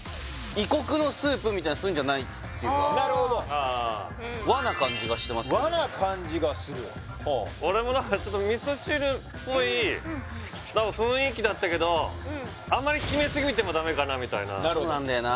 異国のスープみたいなそういうんじゃないっていうかなるほどああ和な感じがしてますけど和な感じがする俺も何かちょっと雰囲気だったけどあんまり決めすぎてもダメかなみたいなそうなんだよな